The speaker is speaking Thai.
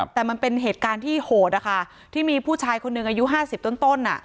แต่มันเป็นเหตุการณ์ที่โหดนะคะที่มีผู้ชายคนหนึ่งอายุ๕๐ต้น